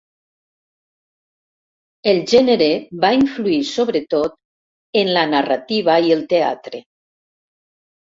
El gènere va influir sobretot en la narrativa i el teatre.